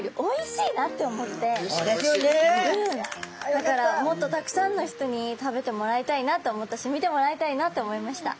だからもっとたくさんの人に食べてもらいたいなと思ったし見てもらいたいなと思いました。